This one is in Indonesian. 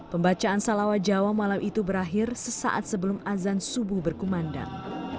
pembacaan salawat jawa malam itu berakhir sesaat sebelum azan subuh berkumandang